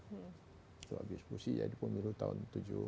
itu abis fusi jadi pemilu tahun tujuh puluh delapan